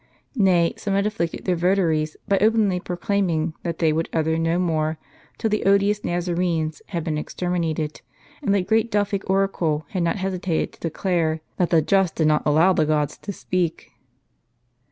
Nay, some had afflicted their votaries by openly proclaiming, that they would utter no more, till the odious Nazarenes had been exterminated ; and the great Delphic oracle had not hesitated to declare, "that the Just did not allow the gods to speak."